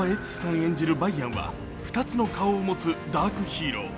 演じる梅安は２つの顔を持つダークヒーロー。